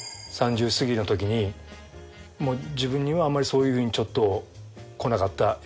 ３０過ぎのときに自分にはあんまりそういうふうにちょっとこなかった。